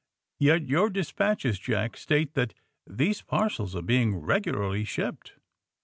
Yet your de spatches, Jack, state that these parcels are being regularly shipped."